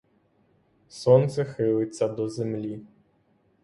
Сонце хилиться до землі.